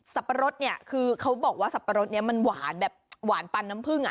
ปะรดเนี่ยคือเขาบอกว่าสับปะรดนี้มันหวานแบบหวานปันน้ำผึ้งอ่ะ